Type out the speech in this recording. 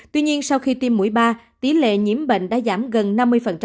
tuy nhiên sau khi tiêm mũi ba tỷ lệ nhiễm bệnh đã giảm gần năm mươi